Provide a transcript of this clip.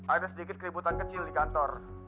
ada sedikit keributan kecil di kantor